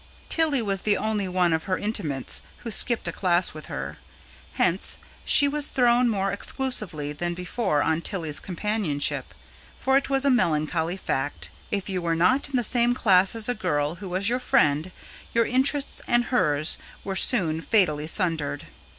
Tilly was the only one of her intimates who skipped a class with her; hence she was thrown more exclusively than before on Tilly's companionship; for it was a melancholy fact: if you were not in the same class as the girl who was your friend, your interests and hers were soon fatally sundered.